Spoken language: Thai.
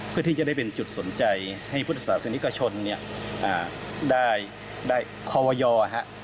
เพื่อที่จะได้เป็นจุดสนใจให้พุทธศาสนิกชนเนี่ยได้คอวยอร์ฮะ